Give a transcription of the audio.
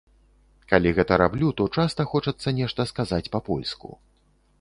Калі гэта раблю, то часта хочацца нешта сказаць па-польску.